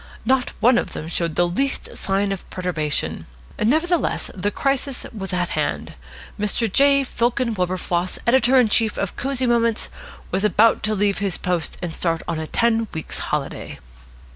Not one of them showed the least sign of perturbation. Nevertheless, the crisis was at hand. Mr. J. Fillken Wilberfloss, editor in chief of Cosy Moments, was about to leave his post and start on a ten weeks' holiday.